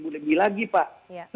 tujuh lebih lagi pak